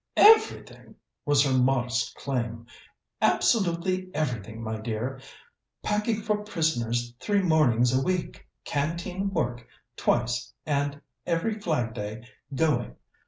"Everything," was her modest claim. "Absolutely everything, my dear. Packing for prisoners three mornings a week, canteen work twice, and every Flag day going.